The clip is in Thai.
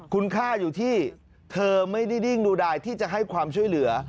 คุณค่าอยู่ที่เธอไม่ได้ดิ้งดูดายที่จะให้ความช่วยเหลือ